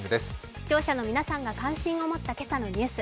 視聴者の皆さんが感心を持った今朝のニュース